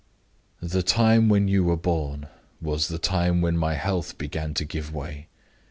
"The time when you were born was the time when my health began to give way.